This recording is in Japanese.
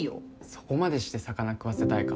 そこまでして魚食わせたいか？